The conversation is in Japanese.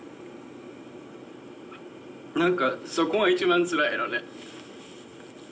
「なんかそこが一番つらいのね」。